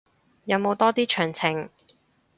有冇多啲詳情